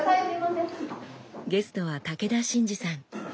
ゲストは武田真治さん。